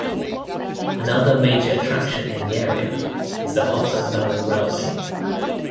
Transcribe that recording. Another major attraction in the area is the Hotham Valley Railway.